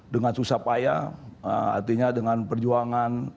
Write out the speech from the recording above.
dengan susah payah artinya dengan perjuangan